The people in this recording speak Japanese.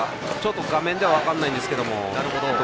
画面では分からないんですけど。